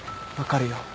分かるよ